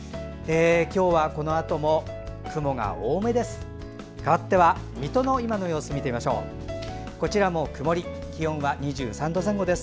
今日はこのあとも雲が多めです。